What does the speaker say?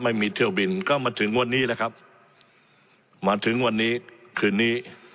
ไม่มีเที่ยวบินก็มาถึงวันนี้แหละครับมาถึงวันนี้คืนนี้